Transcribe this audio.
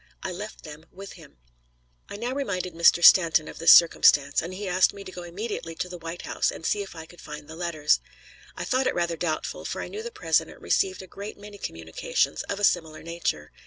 I left them with him. I now reminded Mr. Stanton of this circumstance, and he asked me to go immediately to the White House and see if I could find the letters. I thought it rather doubtful, for I knew the President received a great many communications of a similar nature.